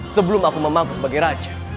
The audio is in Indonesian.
sebelum aku memangku sebagai raja